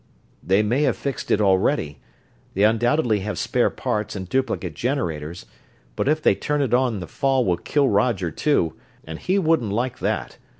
"They may have fixed it already. They undoubtedly have spare parts and duplicate generators, but if they turn it on the fall will kill Roger too, and he wouldn't like that.